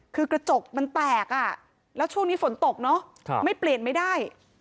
คือกระจกมันแตกอ่ะแล้วช่วงนี้ฝนตกเนอะไม่เปลี่ยนไม่ได้